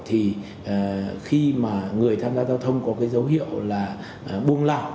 thì khi mà người tham gia giao thông có cái dấu hiệu là buông lỏng